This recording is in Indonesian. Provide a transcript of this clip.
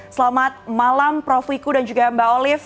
selamat malam prof wiku dan juga mbak olive